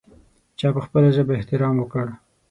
چا په خپله ژبه احترام وکړ.